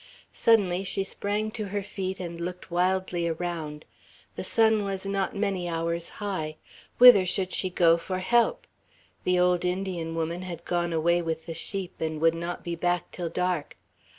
Suddenly she sprang to her feet, and looked wildly around. The sun was not many hours high. Whither should she go for help? The old Indian woman had gone away with the sheep, and would not be back till dark.